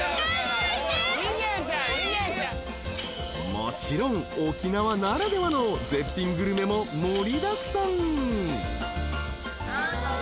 ［もちろん沖縄ならではの絶品グルメも盛りだくさん］